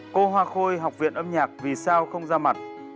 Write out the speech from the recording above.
cô hoa khôi học viện âm nhạc vì sao không ra mặt